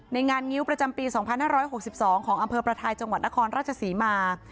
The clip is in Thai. ในงานงิ้วประจำปีสองพันห้าร้อยหกสิบสองของอำเภอประทายจังหวัดนครราชศรีมา